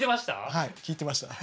はい聞いてました。